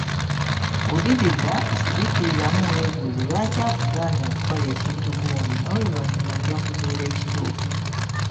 Wuliriza, siriikiriramu weebuuze lwaki akugaanyi okukola ekintu gundi n'oluvanyuma ojja kuzuula ekituufu.